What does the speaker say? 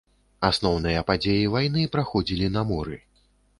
Асноўныя падзеі вайны праходзілі на моры.